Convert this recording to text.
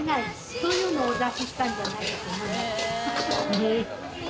そういうのをお出ししたんじゃないかな。